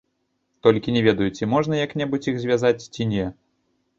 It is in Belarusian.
Толькі не ведаю, ці можна як-небудзь іх звязваць, ці не.